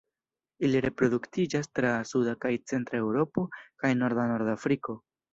Ili reproduktiĝas tra suda kaj centra Eŭropo kaj norda Nordafriko.